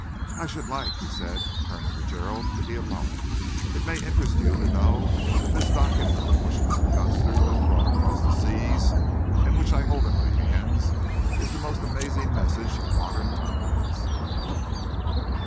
"I should like," he said, turning to Gerald, "to be alone. It may interest you to know that this document which Mr. Dunster has brought across the seas, and which I hold in my hands, is the most amazing message of modern times."